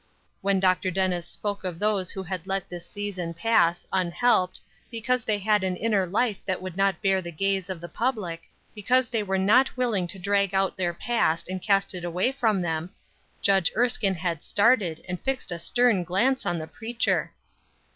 When Dr. Dennis spoke of those who had let this season pass, unhelped, because they had an inner life that would not bear the gaze of the public, because they were not willing to drag out their past and cast it away from them, Judge Erskine had started and fixed a stern glance on the preacher.